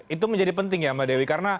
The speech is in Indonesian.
itu menjadi penting ya mbak dewi karena